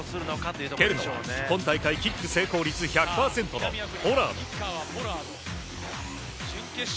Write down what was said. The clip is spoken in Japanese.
蹴るのは今大会キック成功率１００％のポラード。